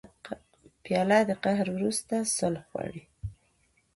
پیاله د قهر وروسته صلح غواړي.